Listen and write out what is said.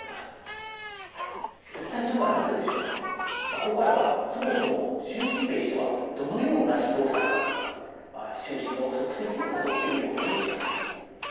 ここからはそもそも習近平氏とはどのような指導者なのか習氏の足跡をたどってみることにします。